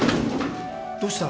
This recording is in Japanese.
どうした？